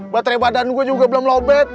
baterai badan gue juga belum lobet